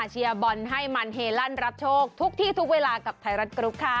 เชียร์บอลให้มันเฮลั่นรับโชคทุกที่ทุกเวลากับไทยรัฐกรุ๊ปค่ะ